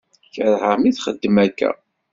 Kerheɣ mi yi-txeddem akka.